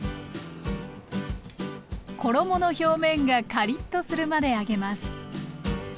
衣の表面がカリッとするまで揚げます。